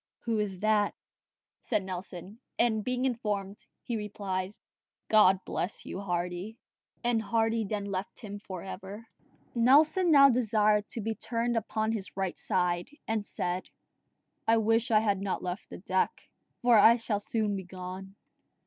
"Who is that?" said Nelson; and being informed, he replied, "God bless you, Hardy." And Hardy then left him for ever. Nelson now desired to be turned upon his right side, and said, "I wish I had not left the deck, for I shall soon be gone."